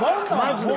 マジで。